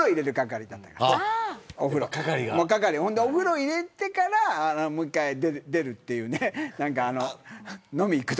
お風呂に入れてからもう一回、出るというね。